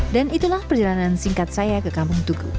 dan itulah perjalanan singkat saya ke kampung tugu